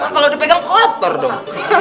kalau dipegang kotor dong